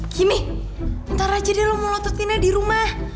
kimi ntar aja deh lo mau lotetinnya di rumah